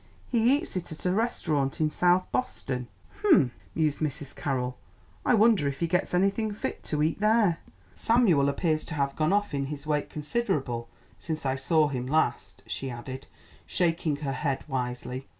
He eats it at a restaurant in South Boston." "Hum!" mused Mrs. Carroll, "I wonder if he gets anything fit to eat there? Samuel appears to have gone off in his weight considerable since I saw him last," she added, shaking her head wisely.